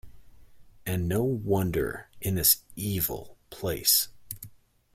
And no wonder in this evil place.